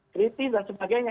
kritis dan sebagainya